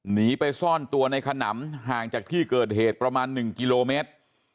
หนีไปซ่อนตัวในขนำห่างจากที่เกิดเหตุประมาณ๑กิโลเมตร